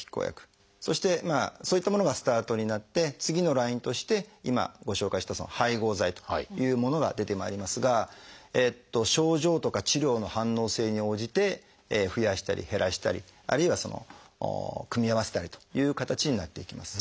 そしてそういったものがスタートになって次のラインとして今ご紹介した配合剤というものが出てまいりますが症状とか治療の反応性に応じて増やしたり減らしたりあるいは組み合わせたりという形になっていきます。